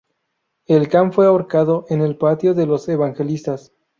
El can fue ahorcado en el patio de los Evangelistas.